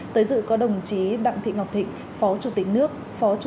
tới dự có đồng chí đặng thị ngọc thịnh phó chủ tịch nước